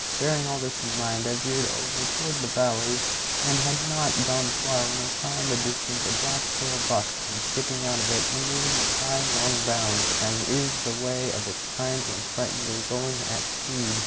Bearing all this in mind, I veered over toward the valley, and had not gone far when I saw in the distance a black tail buck come skipping out of it, and moving with high, long bounds, as is the way of its kind when frightened or going at speed.